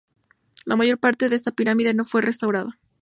La mayor parte de esta pirámide no fue restaurada.